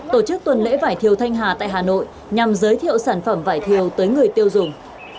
tổ chức tuần lễ vải thiều thanh hà tại hà nội nhằm giới thiệu sản phẩm vải thiều tới người tiêu dùng